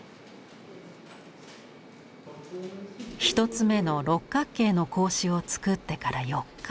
１つ目の六角形の格子を作ってから４日。